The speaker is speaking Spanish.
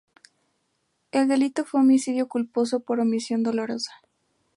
El delito fue homicidio culposo por omisión dolosa.